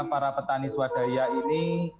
para petani swadaya ini